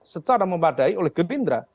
secara memadai oleh gerindra